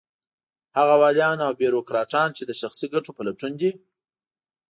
هغه واليان او بېروکراټان چې د شخصي ګټو په لټون دي.